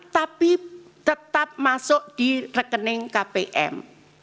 tapi tetap masuk di rekening kpm